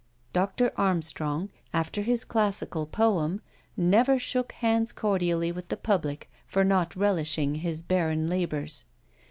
Dr. Armstrong, after his classical poem, never shook hands cordially with the public for not relishing his barren labours.